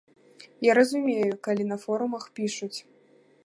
Я разумею, калі на форумах пішуць.